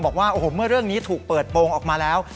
บอกว่าโอ้โหเมื่อเรื่องนี้ถูกเปิดโปรงออกมาแล้ว